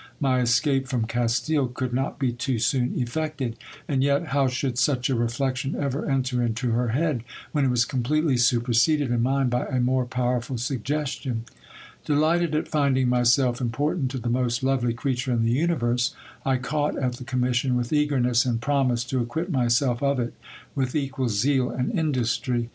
My escape from Castile could not be too soon effected ; and yet ho v should such a reflection ever enter into her head, when it was completely supers :ded in mine by a more powerful suggestion? Delighted at finding my sel " important to the most lovely creature in the universe, I caught at the com mission with eagerness, and promised to acquit myself of it with equal zeal and industry.